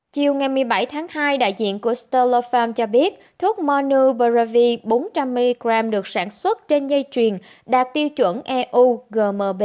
chiều ngày một mươi bảy tháng hai đại diện của stellar farm cho biết thuốc monubiravir bốn trăm linh mg được sản xuất trên dây truyền đạt tiêu chuẩn eov